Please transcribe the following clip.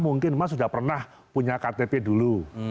ini sudah pernah punya ktp dulu